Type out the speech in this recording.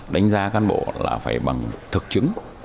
đánh giá cán bộ là phải bằng thực chứng